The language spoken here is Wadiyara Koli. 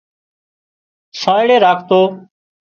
سانئڙِي راکتو